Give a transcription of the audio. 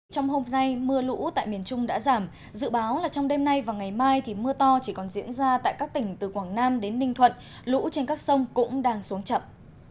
trong hôm nay mưa lũ tại miền trung đã giảm dự báo là trong đêm nay và ngày mai thì mưa to chỉ còn diễn ra tại các tỉnh từ quảng nam đến ninh thuận lũ trên các sông cũng đang xuống chậm